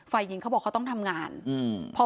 ฝ่ายหญิงเขาบอกเขาต้องทำงานอืม